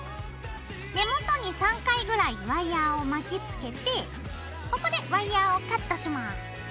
根元に３回ぐらいワイヤーを巻きつけてここでワイヤーをカットします。